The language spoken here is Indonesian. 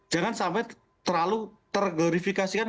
jangan sampai terlalu terglorifikasikan